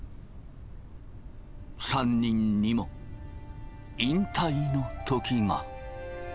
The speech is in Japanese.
３人にも引退の時が。